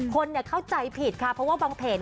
คนเข้าใจผิดค่ะเพราะว่าบางเพจ